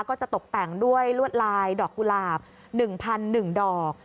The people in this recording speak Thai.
ก็จะตกแต่งด้วยลวดลายดอกกุหลาบ๑๑ดอก